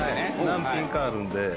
何品かあるんで。